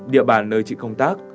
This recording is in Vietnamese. địa bản nơi chị công tác